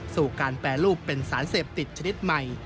สู่การแปรรูปเป็นสารเสพติดชนิดใหม่